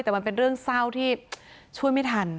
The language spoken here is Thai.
แต่มันเป็นเรื่องเศร้าที่ช่วยไม่ทัน